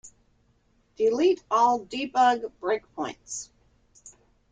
Delete all debug breakpoints.